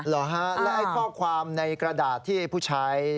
เหรอฮะแล้วข้อความในกระดาษที่ผู้ชาย